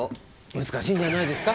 難しいんじゃないですか？